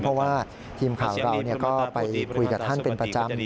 เพราะว่าทีมข่าวเราก็ไปคุยกับท่านเป็นประจำ